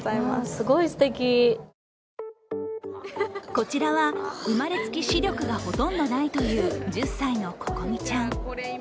こちらは、生まれつき視力がほとんどないという１０歳のここみちゃん。